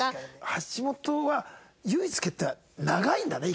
橋本は唯一欠点は長いんだね